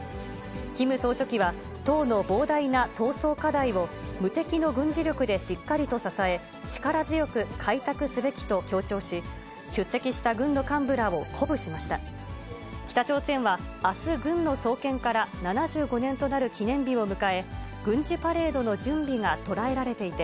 キム総書記は、党の膨大な闘争課題を無敵の軍事力でしっかりと支え、力強く開拓すべきと強調し、出席した軍の幹部らを鼓舞しました。